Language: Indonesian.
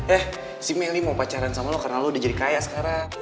eh si melly mau pacaran sama lo karena lo udah jadi kayak sekarang